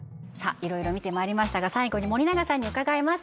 いろいろ見てまいりましたが最後に森永さんに伺います